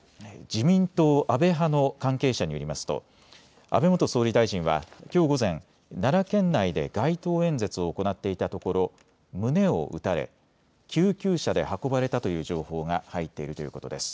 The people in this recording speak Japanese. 自民党安倍派の関係者によりますと安倍元総理大臣はきょう午前、奈良県内で街頭演説を行っていたところ、胸を撃たれ救急車で運ばれたという情報が入っているということです。